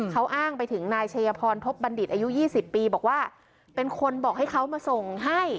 เขาอ้างไปถึงนายชัยพรทบบัณฑิตอายุ๒๐ปีบอกว่าเป็นคนบอกให้เขามาส่งให้